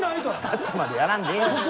立ってまでやらんでええやろ。